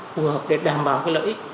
phù hợp để đảm bảo cái lợi ích